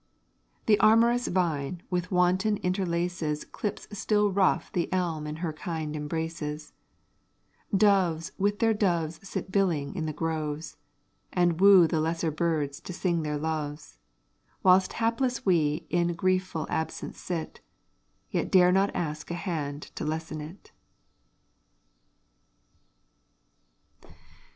The amorous vine with wanton interlaces Clips still the rough elm in her kind embraces: Doves with their doves sit billing in the groves, And woo the lesser birds to sing their loves: Whilst hapless we in griefful absence sit, Yet dare not ask a hand to lessen it.